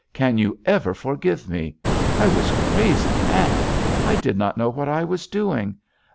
"Can you ever forgive me ? I was crazy, mad — I did not know what I was doing